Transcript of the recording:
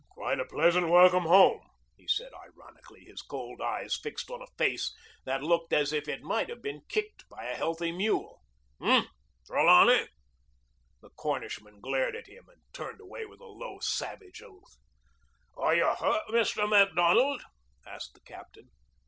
"Quite a pleasant welcome home," he said ironically, his cold eyes fixed on a face that looked as if it might have been kicked by a healthy mule. "Eh, Trelawney?" The Cornishman glared at him, and turned away with a low, savage oath. "Are you hurt, Mr. Macdonald?" asked the captain.